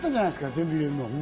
全部入れるの。